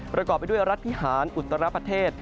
ประกอบไปด้วยรัฐพิหารอุตรประเทศ